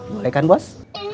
boleh kan bos